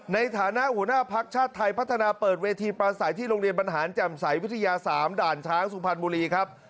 ในฐานะหัวหน้าภักดิ์ชาติไทยพัฒนาเปิดเวทีปลาใสที่โรงเรียนบรรหารแจ่มใสวิทยา๓ด่านช้างสุพรรณบุรีครับ